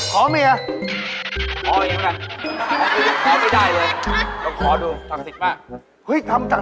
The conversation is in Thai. ขอเหมือน